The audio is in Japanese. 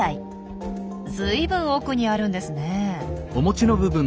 ずいぶん奥にあるんですねえ。